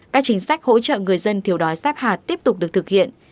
các chính sách hỗ trợ người dân thiếu đói sát hạt tiếp tục được thực hiện